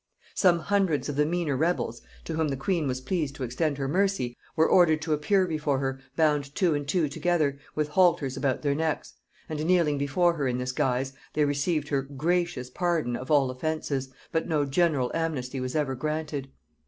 Some hundreds of the meaner rebels, to whom the queen was pleased to extend her mercy, were ordered to appear before her bound two and two together, with halters about their necks; and kneeling before her in this guise, they received her gracious pardon of all offences; but no general amnesty was ever granted.